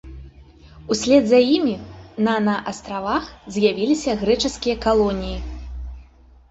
Услед за імі на на астравах з'явіліся грэчаскія калоніі.